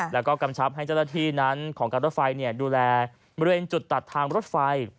แล้วก็กำชับให้เจ้าหน้าที่นั้นของการรถไฟดูแลบริเวณจุดตัดทางรถไฟ